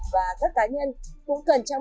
và các cá nhân cũng cần trong buổi sáng